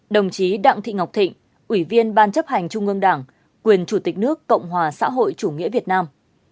một mươi bảy đồng chí đặng thị ngọc thịnh ủy viên ban chấp hành trung ương đảng quyền chủ tịch nước cộng hòa xã hội chủ nghĩa việt nam